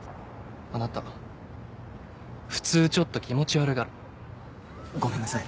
あなた普通ちょっと気持ち悪がるごめんなさい